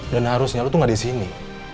dan harusnya lo tuh gak disini